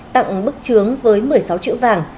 tặng bức trướng với một mươi sáu chữ vàng